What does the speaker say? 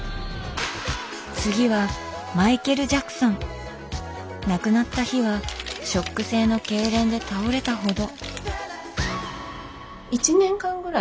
次は亡くなった日はショック性のけいれんで倒れたほど。